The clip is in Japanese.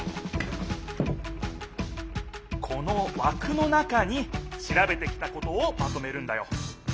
このわくの中にしらべてきたことをまとめるんだよ。